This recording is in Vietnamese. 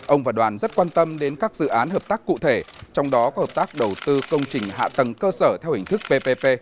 ông và đoàn rất quan tâm đến các dự án hợp tác cụ thể trong đó có hợp tác đầu tư công trình hạ tầng cơ sở theo hình thức ppp